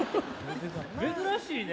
珍しいね。